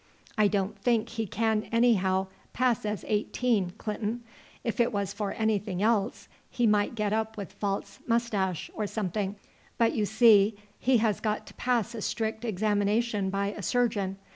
"I don't think he can anyhow pass as eighteen, Clinton. If it was for anything else he might get up with false moustache or something; but you see he has got to pass a strict examination by a surgeon.